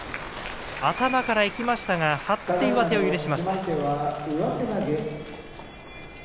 頭からいきましたが張って上手を許しました。